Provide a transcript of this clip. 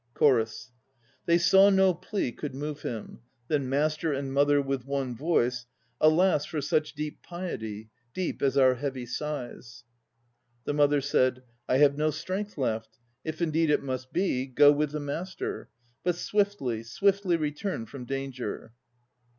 CHORUS. They saw no plea could move him. Then master and mother with one voice: "Alas for such deep piety, Deep as our heavy sighs." The mother said, "I have no strength left; If indeed it must be, Go with the Master. But swiftly, swiftly Return from danger."